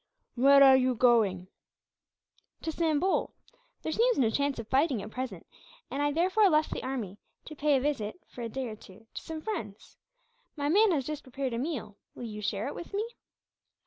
"Where are you going?" "To Sambol. There seems no chance of fighting, at present; and I therefore left the army to pay a visit, for a day or two, to some friends. My man has just prepared a meal. Will you share it with me?"